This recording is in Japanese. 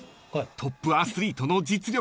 ［トップアスリートの実力やいかに］